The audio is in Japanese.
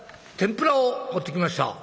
「天ぷらを持ってきました」。